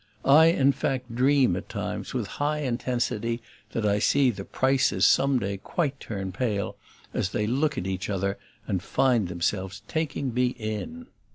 I in fact dream at times, with high intensity, that I see the Prices some day quite turn pale as they look at each other and find themselves taking me in.